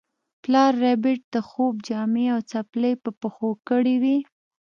پلار ربیټ د خوب جامې او څپلۍ په پښو کړې وې